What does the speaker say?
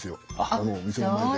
あのお店の前で。